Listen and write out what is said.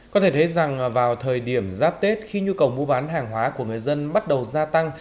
có thể thấy rằng vào thời điểm giáp tết khi nhu cầu mua bán hàng hóa của người dân bắt đầu gia tăng